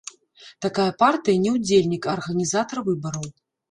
Такая партыя не ўдзельнік, а арганізатар выбараў.